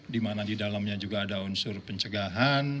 di mana di dalamnya juga ada unsur pencegahan